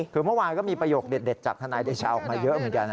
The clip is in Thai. คือเมื่อวานก็มีประโยคเด็ดจากทนายเดชาออกมาเยอะเหมือนกัน